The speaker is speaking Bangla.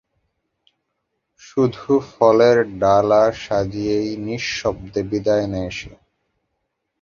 শুধু ফলের ডালা সাজিয়েই নিঃশব্দে বিদায় নেয় সে।